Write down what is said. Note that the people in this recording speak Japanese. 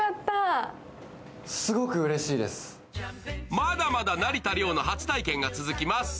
まだまだ成田凌の初体験が続きます！